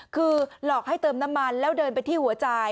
คือหลอกให้เติมน้ำมันแล้วเดินไปที่หัวจ่าย